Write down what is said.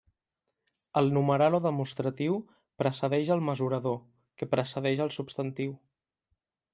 El numeral o demostratiu precedeix el mesurador, que precedeix el substantiu.